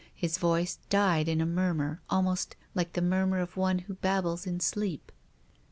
His voice died in a murmur, almost like the murmur of one who babbles in sleep.